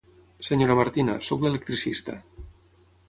Senyora Martina, soc l'electricista.